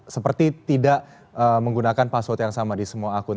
seperti tidak menggunakan password yang sama di semua akun